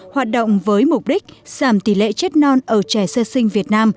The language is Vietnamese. hoạt động với mục đích giảm tỷ lệ chết non ở trẻ sơ sinh việt nam